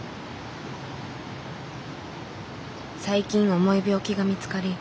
最近重い病気が見つかり